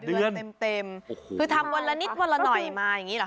เดือนเต็มคือทำวันละนิดวันละหน่อยมาอย่างนี้หรอ